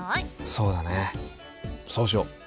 そうだねそうしよう！